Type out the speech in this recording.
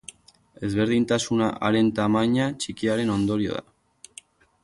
Ezberdintasuna haren tamaina txikiaren ondorio da.